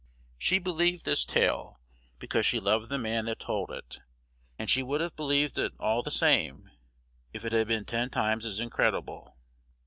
She believed this tale, because she loved the man that told it; and she would have believed it all the same if it had been ten times as incredible.